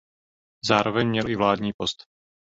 Zároveň měl i vládní post.